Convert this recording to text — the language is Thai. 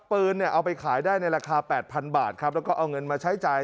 ปืนเนี่ยเอาไปขายได้ในราคา๘๐๐๐บาทครับแล้วก็เอาเงินมาใช้จ่าย